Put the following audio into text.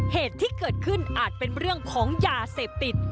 เหตุที่เกิดขึ้นอาจเป็นเรื่องของยาเสพติด